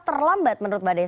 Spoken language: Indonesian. terlambat menurut mbak desy